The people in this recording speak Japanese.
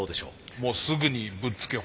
もうすぐにぶっつけ本番。